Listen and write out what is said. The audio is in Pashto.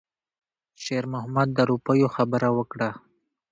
شېرمحمد د روپیو خبره وکړه.